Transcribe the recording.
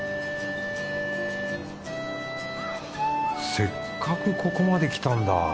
せっかくここまで来たんだ。